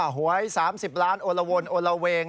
หวย๓๐ล้านโอราวลโอราเวง